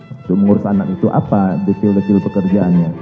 untuk mengurus anak itu apa detail detail pekerjaannya